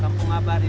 kampung abar ya